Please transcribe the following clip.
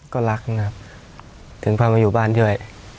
ก็รักนะครับถึงพามาอยู่บ้านด้วย